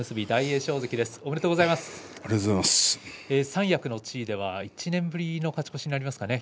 三役の地位では１年ぶりの勝ち越しになりますかね